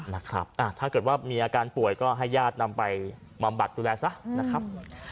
ถ้าเกิดว่ามีอาการป่วยก็ให้ญาตินำไปบำบัดดูแลซะนะครับ